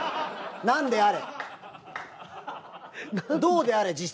何であれ。